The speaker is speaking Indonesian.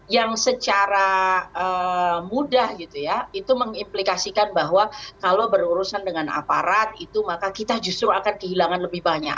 yang secara mudah gitu ya itu mengimplikasikan bahwa kalau berurusan dengan aparat itu maka kita justru akan kehilangan lebih banyak